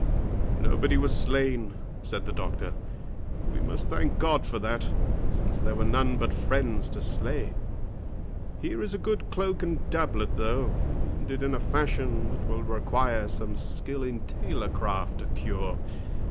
"Nobody was slain," said the doctor; "we must thank God for that, since there were none but friends to slay. Here is a good cloak and doublet, though, wounded in a fashion which will require some skill in tailor craft to cure.